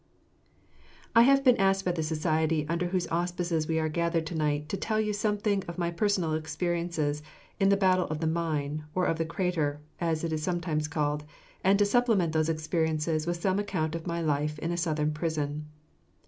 I have been asked by the Society under whose auspices we are gathered to night to tell you something of my personal experiences in the Battle of the Mine, or of the Crater, as it is sometimes called, and to supplement those experiences with some account of my life in a Southern prison.